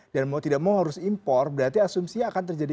dan mau tidak mau harus impor berarti asumsinya akan terjadi